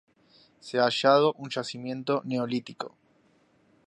Se ha hallado un yacimiento neolítico.